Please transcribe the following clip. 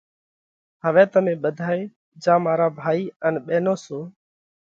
هوَئہ تمي ٻڌائي جيا مارا ڀائِي ان ٻينون سو،